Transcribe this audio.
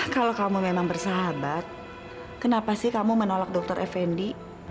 kalau kamu memang bersahabat kenapa sih kamu menolak dr effendi